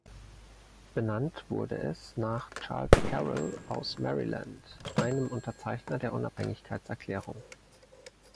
Benannt wurde es nach Charles Carroll aus Maryland, einem Unterzeichner der Unabhängigkeitserklärung.